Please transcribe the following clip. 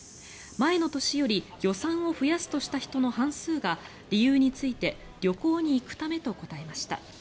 前の年より予算を増やすとした人の半数が理由について旅行に行くためと答えました。